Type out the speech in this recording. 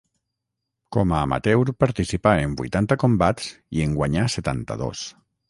Com a amateur participà en vuitanta combats i en guanyà setanta-dos.